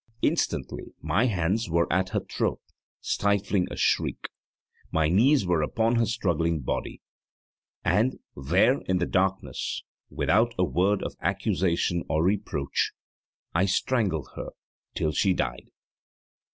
Instantly my hands were at her throat, stifling a shriek, my knees were upon her struggling body; and there in the darkness, without a word of accusation or reproach, I strangled her till she died!